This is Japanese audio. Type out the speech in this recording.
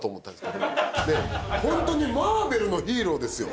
本当にマーベルのヒーローですよ